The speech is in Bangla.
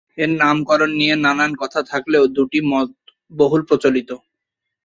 এর নামকরণ নিয়ে নানান কথা থাকলেও দুটি মত বহুল প্রচলিত।